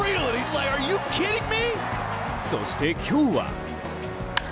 そして今日は。